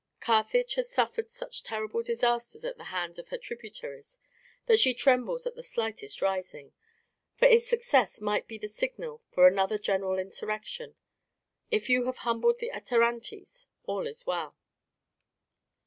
Carthage has suffered such terrible disasters at the hands of her tributaries that she trembles at the slightest rising, for its success might be the signal for another general insurrection. If you have humbled the Atarantes, all is well.